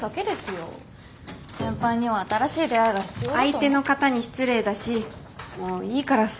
相手の方に失礼だしもういいからそういうの。